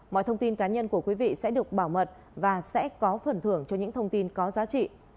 mọi thông tin cá nhân của quý vị sẽ được bảo mật và sẽ có phần thưởng cho những thông tin có giá trị